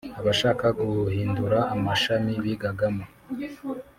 abashaka guhindura amashami bigagamo